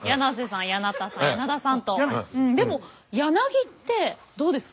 うんでも柳ってどうですか？